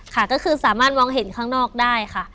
ค่ะก็คือสามารถมองเห็นข้างนอกได้ค่ะ